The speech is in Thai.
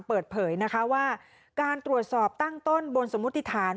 เปิดเผยนะคะว่าการตรวจสอบตั้งต้นบนสมมุติฐาน